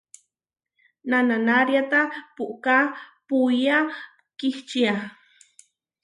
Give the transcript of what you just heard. Nananáriata puʼká puʼía kihčía.